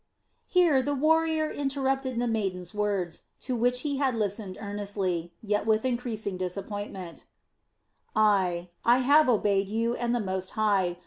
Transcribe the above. Here the warrior interrupted the maiden's words, to which he had listened earnestly, yet with increasing disappointment: "Ay, I have obeyed you and the Most High.